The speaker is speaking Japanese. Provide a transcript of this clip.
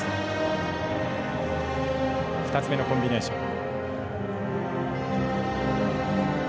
２つ目のコンビネーション。